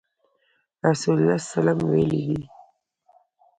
رسول الله صلی الله عليه وسلم ويلي دي :